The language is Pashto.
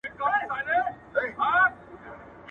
یو تخم څنګه باور کولای سي